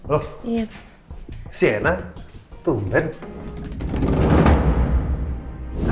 loh sienna tunggu ya